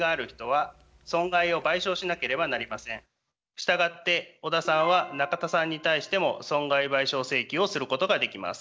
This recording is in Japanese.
したがって小田さんは中田さんに対しても損害賠償請求をすることができます。